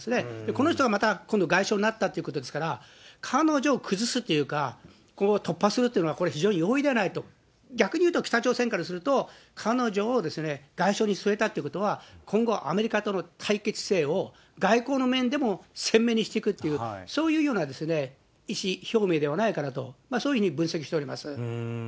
この人がまた外相になったということですから、彼女を崩すというか、ここを突破するというのは、これ非常に容易ではないと、逆にいうと、北朝鮮からすると、彼女を外相に据えたということは、今後、アメリカとの対決姿勢を外交の面でも鮮明にしていくという、そういうような意思表明ではないかなと、そういうふうに分析しております。